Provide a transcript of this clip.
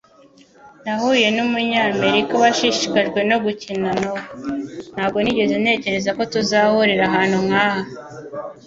Nahuye numunyamerika washishikajwe no gukina Noh. Ntabwo nigeze ntekereza ko tuzahurira ahantu nkaha.